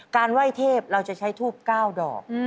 ไหว้เทพเราจะใช้ทูบ๙ดอก